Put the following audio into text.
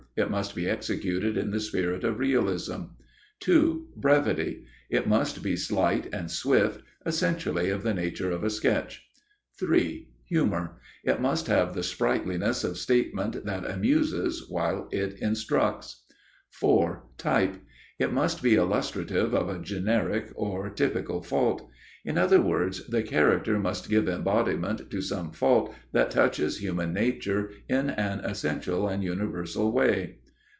It must be executed in the spirit of realism. 2.—Brevity: It must be slight and swift, essentially of the nature of a sketch. 3.—Humor: It must have the sprightliness of statement that amuses while it instructs. 4.—Type: It must be illustrative of a generic or typical fault. In other words, the character must give embodiment to some fault that touches human nature in an essential and universal way.